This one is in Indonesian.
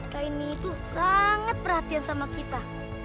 kak inni itu sangat perhatian sama kita